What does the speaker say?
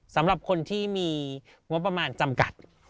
สำหรับคนที่มีงบประมาณจำกัด